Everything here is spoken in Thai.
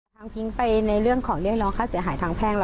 ทิ้งไปในเรื่องของเรียกร้องค่าเสียหายทางแพ่งแล้ว